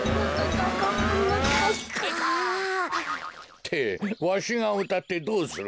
ってわしがうたってどうする。